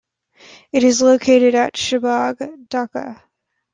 It is located at Shahbag, Dhaka.